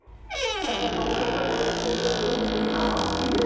そうするかな。